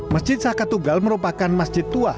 masjid saka tugal merupakan masjid tua